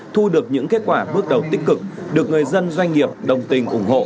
thu được những kết quả bước đầu tích cực được người dân doanh nghiệp đồng tình ủng hộ